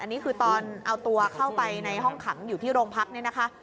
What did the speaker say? อันนี้คือตอนเอาตัวเข้าไปในห้องขังอยู่ที่โรงพักเนี่ยนะคะ